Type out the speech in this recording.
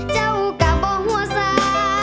เจ้ากับผมหัวสาย